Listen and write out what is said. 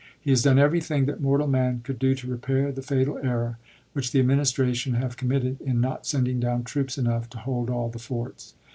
He has done everything that mortal man could do to repair the fatal error which the Administration have committed in not sending down troops enough to hold all the forts.